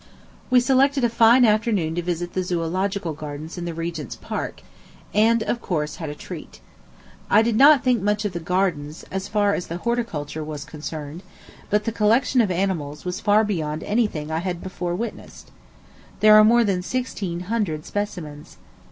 We selected a fine afternoon to visit the Zoölogical Gardens in the Regent's Park, and, of course, had a treat. I did not think much of the gardens as far as the horticulture was concerned; but the collection of animals was far beyond any thing I had before witnessed. There are more than sixteen hundred specimens.